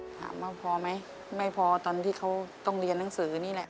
ถามว่าพอไหมไม่พอตอนที่เขาต้องเรียนหนังสือนี่แหละ